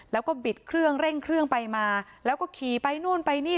แล้วก็บิดเครื่องเร่งเครื่องไปมาแล้วก็ขี่ไปนู่นไปนี่